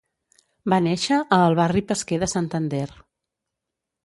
Va néixer a El Barri Pesquer de Santander.